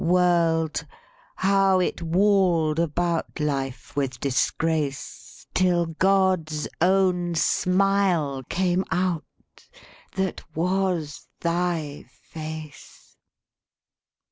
"World how it walled about Life with disgrace Till God's own smile came out: That was thy face!"